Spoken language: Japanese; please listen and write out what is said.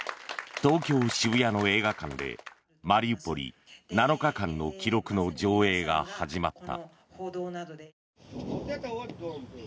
東京・渋谷区の映画館で「マリウポリ７日間の記録」の上映が始まった。